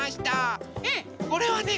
これはね